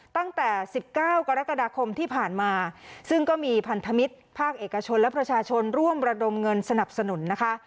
ตั้งแต่๑๙กรกฎาคมที่ผ่านมาซึ่งก็มีพันธมิตรภาคเอกชนและประชาชนร่วมระดมเงินสนับสนุนนะคะ